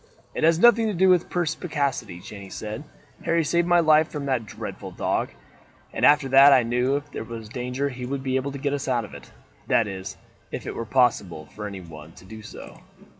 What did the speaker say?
"It has nothing to do with perspicacity," Jeanne said. "Harry saved my life from that dreadful dog, and after that I knew if there was danger he would be able to get us out of it. That is, if it were possible for anyone to do so."